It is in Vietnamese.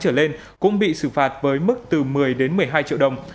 trở lên cũng bị xử phạt với mức từ một mươi đến một mươi hai triệu đồng